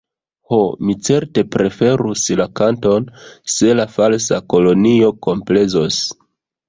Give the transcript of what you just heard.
Ho, mi certe preferus la kanton, se la Falsa Kelonio komplezos.